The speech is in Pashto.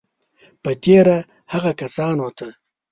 په تېره هغو کسانو ته